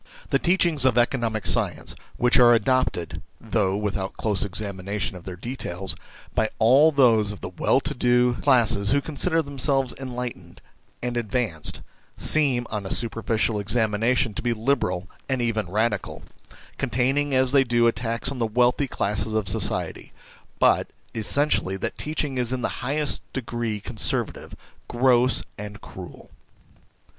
The teachings of economic science, which are adopted (though without close examination of their details) by all those of the well to do classes who consider CULTURE OR FREEDOM 61 themselves enlightened and advanced, 1 seem on a superficial examination to be liberal and even radical, containing as they do attacks on the wealthy classes of society ; but, essentially, that teaching is in the highest degree conservative, gross, and cruel.